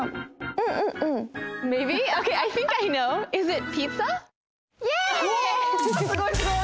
うおすごいすごい！